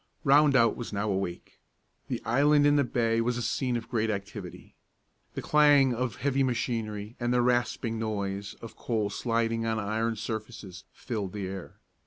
Rondout was now awake. The island in the bay was a scene of great activity. The clang of heavy machinery and the rasping noise of coal sliding on iron surfaces filled the air.